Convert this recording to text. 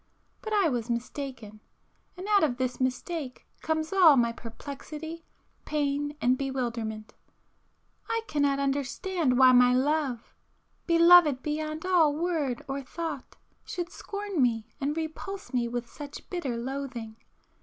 But I was mistaken,—and out of this mistake comes all my perplexity, pain and bewilderment I cannot understand [p 416] why my love,—beloved beyond all word or thought,—should scorn me and repulse me with such bitter loathing!